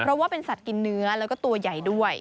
เพราะว่าเป็นสัตว์กินเนื้อแล้วก็ตัวใหญ่ด้วย